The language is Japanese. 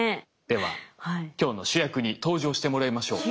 では今日の主役に登場してもらいましょう。